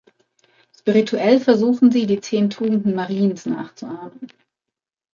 Spirituell versuchen sie, die zehn Tugenden Mariens nachzuahmen.